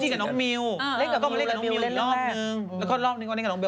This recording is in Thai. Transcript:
แล้วก็รอบนึงก็เล่นกับน้องเบลอีกรอบ